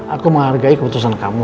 aku menghargai keputusan kamu